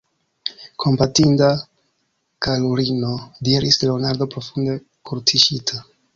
Kompatinda karulino, diris Leonardo, profunde kortuŝita.